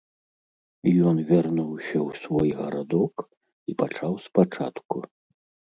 Ён вярнуўся ў свой гарадок і пачаў спачатку.